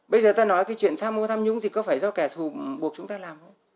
bây giờ ta nói cái chuyện tham ô tham nhũng thì có phải do kẻ thù buộc chúng ta làm không